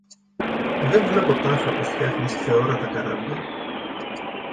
Δε βλέπω τάχα πως φτιάνεις θεόρατα καράβια;